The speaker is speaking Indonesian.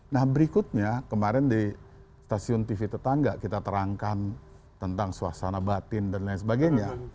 nah berikutnya kemarin di stasiun tv tetangga kita terangkan tentang suasana batin dan lain sebagainya